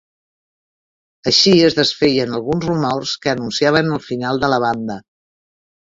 Així es desfeien alguns rumors que anunciaven el final de la banda.